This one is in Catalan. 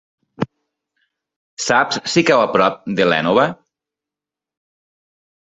Saps si cau a prop de l'Énova?